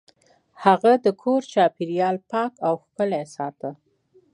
هغه د کور چاپیریال پاک او ښکلی ساته.